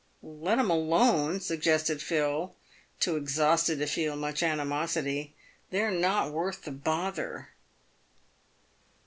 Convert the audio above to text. " Let 'em alone," suggested Phil, too exhausted to feel much ani mosity. " They're not worth the bother."